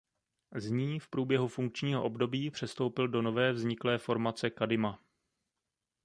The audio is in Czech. Z ní v průběhu funkčního období přestoupil do nové vzniklé formace Kadima.